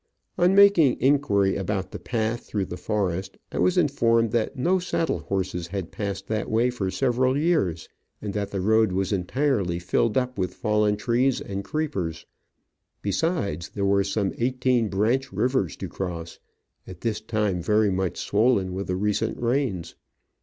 On making inquiry about the path through the forest, I was informed that no saddle horses had passed that way for several years, and that the road was entirely filled up with fallen trees and creepers ; besides, there were some eighteen branch rivers to cross — at this time very much swollen with the recent rains.